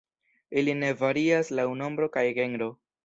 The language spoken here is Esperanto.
Ili ne varias laŭ nombro kaj genro.